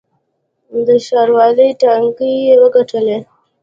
د ښاروالۍ ټاکنې یې وګټلې.